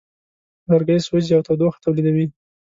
لرګی سوځي او تودوخه تولیدوي.